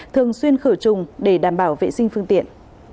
thường xuyên khử trùng để đảm bảo vệ sinh phương tiện